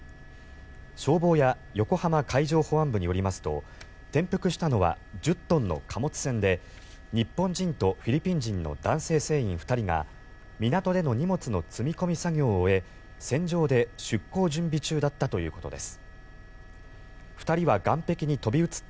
消防や横浜海上保安部によりますと転覆したのは１０トンの貨物船で日本人とフィリピン人の男性船員２人が港での荷物の積み込み作業を終え船上で出港準備中だったということです。